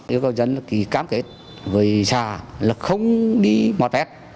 nếu có dân thì cám kết với xã là không đi mót vét